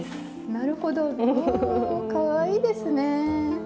なるほど！おかわいいですね！